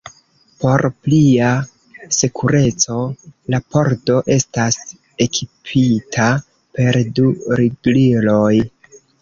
Por plia sekureco, la pordo estas ekipita per du rigliloj.